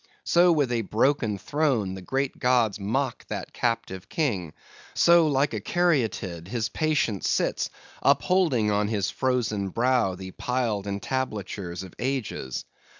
So with a broken throne, the great gods mock that captive king; so like a Caryatid, he patient sits, upholding on his frozen brow the piled entablatures of ages.